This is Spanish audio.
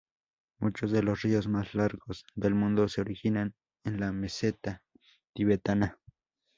Muchos de los ríos más largos del mundo se originan en la meseta tibetana.